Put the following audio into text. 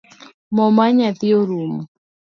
Mo mar nyathi orumo